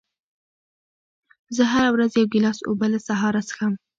زه هره ورځ یو ګیلاس اوبه له سهاره څښم.